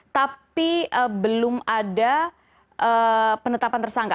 tapi belum ada penetapan tersangka